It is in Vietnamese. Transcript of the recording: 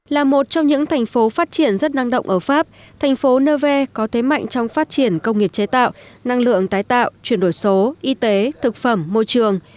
là một trong những thành phố phát triển rất năng động ở pháp thành phố nevers có thế mạnh trong phát triển công nghiệp chế tạo năng lượng tái tạo chuyển đổi số y tế thực phẩm môi trường